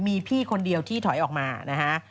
มีพี่คนเดียวที่ถอยออกมานะฮะ